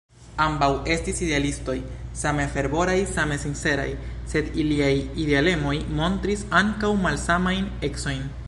Ambaŭ estis idealistoj, same fervoraj, same sinceraj; sed iliaj idealemoj montris ankaŭ malsamajn ecojn.